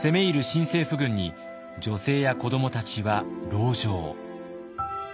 新政府軍に女性や子どもたちは籠城。